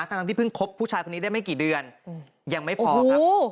ทั้งที่เพิ่งคบผู้ชายคนนี้ได้ไม่กี่เดือนยังไม่พอครับ